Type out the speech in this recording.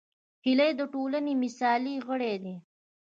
هیلۍ د ټولنې مثالي غړې ده